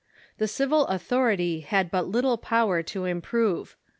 The civil authority had but little power to improve.